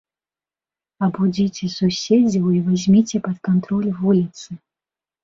Абудзіце суседзяў і вазьміце пад кантроль вуліцы!